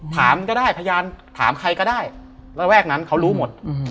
ถามก็ได้พยานถามใครก็ได้ระแวกนั้นเขารู้หมด